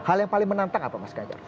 hal yang paling menantang apa mas ganjar